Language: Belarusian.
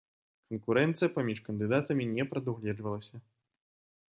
Канкурэнцыя паміж кандыдатамі не прадугледжвалася.